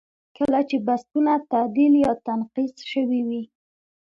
کله چې بستونه تعدیل یا تنقیض شوي وي.